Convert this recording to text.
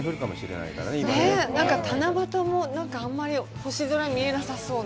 なんか七夕もあんまり星空見えなさそうな。